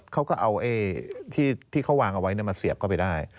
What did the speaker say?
เขาก็เอาที่เขาวางเอาไว้มาเสียบเข้าไปได้